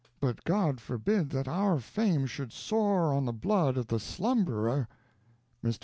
But God forbid that our fame should soar on the blood of the slumberer." Mr.